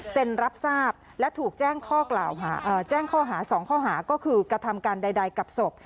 เซ็นรับทราบและถูกแจ้งข้อหา๒ข้อหาก็คือกระทำการใดกับศพ